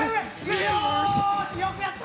よしよくやった！